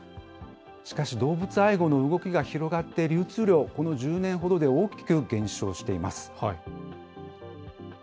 しかし動物愛護の動きが広がって、流通量、この１０年ほどで大きく減少しています。